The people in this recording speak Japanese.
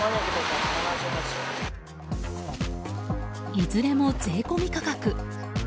いずれも税込み価格。